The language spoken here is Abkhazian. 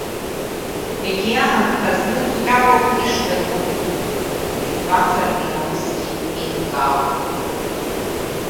Егьи иаанхаз зныкҟьара ауп ишҳәатәу, избанзар иара усгьы еилкаауп.